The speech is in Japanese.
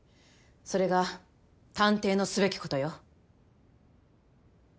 それが探偵のすべきことよ。